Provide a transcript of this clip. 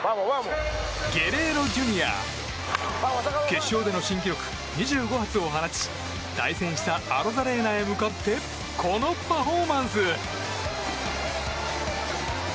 決勝での新記録２５発を放ち対戦したアロザレーナへ向かってこのパフォーマンス。